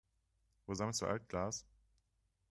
Wo sammelst du Altglas?